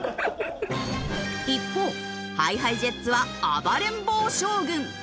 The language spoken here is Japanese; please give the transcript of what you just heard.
一方ＨｉＨｉＪｅｔｓは『暴れん坊将軍』。